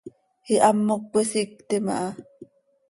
Ihamoc cöisictim aha.